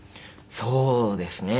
そうですね。